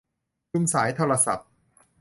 ชุมสายโทรศัพท์